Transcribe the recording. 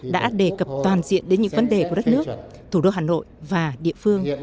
đã đề cập toàn diện đến những vấn đề của đất nước thủ đô hà nội và địa phương